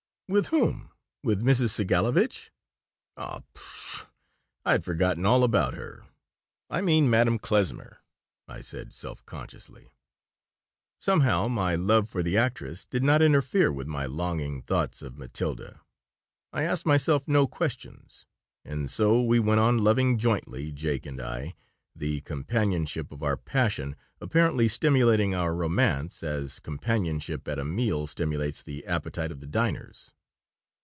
"With whom? With Mrs. Segalovitch?" "Oh, pshaw! I had forgotten all about her. I mean Madame Kiesmer," I said, self consciously Somehow, my love for the actress did not interfere with my longing thoughts of Matilda. I asked myself no questions And so we went on loving jointly, Jake and I, the companionship of our passion apparently stimulating our romance as companionship at a meal stimulates the appetite of the diners.